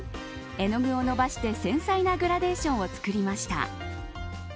絵の具を伸ばして繊細なグラデーションを作りました。